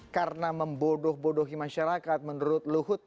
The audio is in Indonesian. karena membodoh bodohi masyarakat menurut luhut